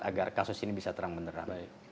agar kasus ini bisa terang beneran